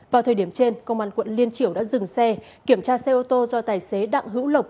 vào thời điểm trên công an quận liên triểu đã dừng xe kiểm tra xe ô tô do tài xế đặng hữu lộc